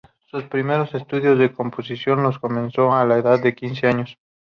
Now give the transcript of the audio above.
Sus primeros estudios de composición los comenzó a la edad de quince años.